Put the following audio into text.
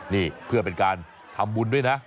นี่เพื่อเป็นการทำบุญด้วยนะ